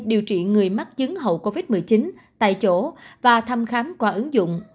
điều trị người mắc chứng hậu covid một mươi chín tại chỗ và thăm khám qua ứng dụng